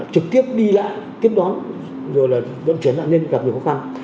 trực tiếp đi lại tiếp đón rồi là vận chuyển nạn nhân gặp nhiều khó khăn